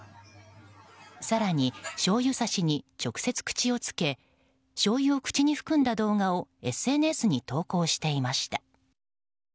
更に、しょうゆさしに直接口をつけしょうゆを口に含んだ動画をＳＮＳに投稿していました。